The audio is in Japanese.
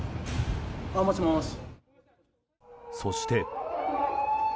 そして。